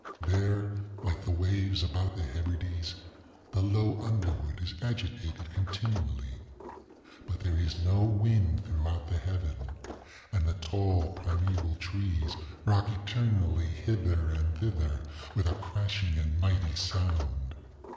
There, like the waves about the Hebrides, the low underwood is agitated continually. But there is no wind throughout the heaven. And the tall primeval trees rock eternally hither and thither with a crashing and mighty sound.